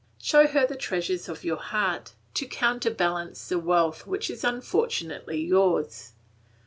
Show her the treasures of your heart, to counterbalance the wealth which is unfortunately yours.